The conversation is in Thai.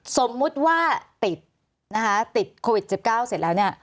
สมมุติว่าติดโควิด๑๙เสร็จแล้วเนี่ย